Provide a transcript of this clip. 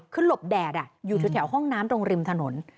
คือหลบแดดอยู่แถวห้องน้ำตรงริมถนน